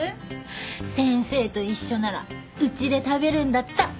先生と一緒ならうちで食べるんだった！